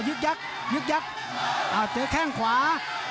ภูตวรรณสิทธิ์บุญมีน้ำเงิน